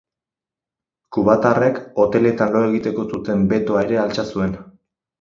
Kubatarrek hoteletan lo egiteko zuten betoa ere altxa zuen.